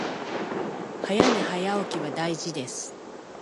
早寝早起きは大事です